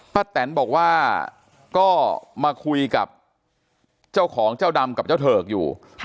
แตนบอกว่าก็มาคุยกับเจ้าของเจ้าดำกับเจ้าเถิกอยู่